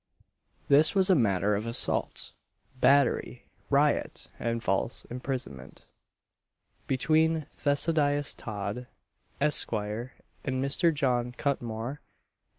This was a matter of assault, battery, riot, and false imprisonment, between Theodosius Todd, Esq. and Mr. John Cutmore.